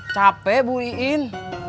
capek bu iin